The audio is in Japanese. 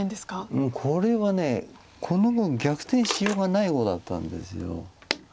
うんこれはこの碁は逆転しようがない碁だったんです。